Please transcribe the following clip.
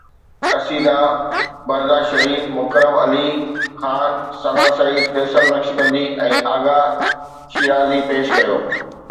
قصيده برده شريف مڪرم علي خان، ثنا سعيد، فيصل نقشبندي ۽ آغا شيرازي پيش ڪيو.